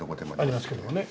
ありますけどもね。